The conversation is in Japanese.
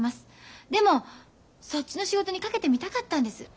でもそっちの仕事にかけてみたかったんです。